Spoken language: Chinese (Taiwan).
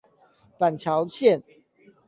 板橋線